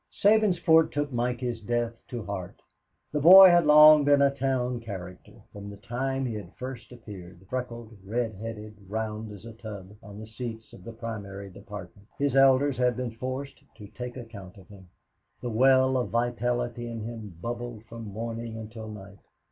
Sabinsport took Mikey's death to heart. The boy had long been a town character. From the time he had first appeared freckled, red headed, round as a tub on the seats of the Primary Department, his elders had been forced to take account of him. The well of vitality in him bubbled from morning until night.